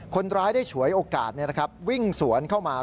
คนร้ายได้ฉวยโอกาสวิ่งสวนเข้ามา